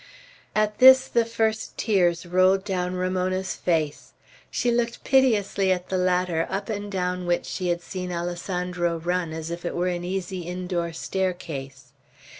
At this the first tears rolled down Ramona's face. She looked piteously at the ladder up and down which she had seen Alessandro run as if it were an easy indoor staircase.